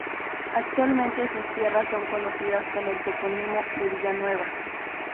Actualmente sus tierras son conocidas con el topónimo de "Villanueva".